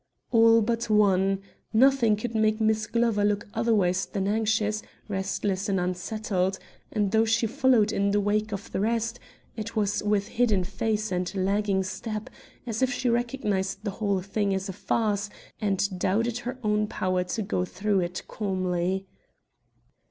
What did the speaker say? All but one! Nothing could make Miss Glover look otherwise than anxious, restless and unsettled, and though she followed in the wake of the rest, it was with hidden face and lagging step, as if she recognized the whole thing as a farce and doubted her own power to go through it calmly.